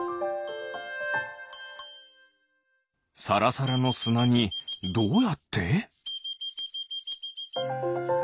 さらさらのすなにどうやって？